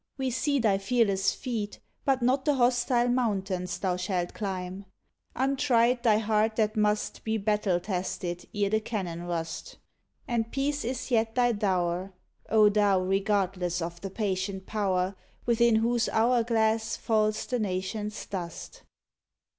We see thy fearless feet, But not the hostile mountains thou shalt climb. Untried thy heart that must Be battle tested ere the cannon rust; And peace is yet thy dow r, O thou regardless of the patient Pow r Within whose hour glass falls the nations 7 dust!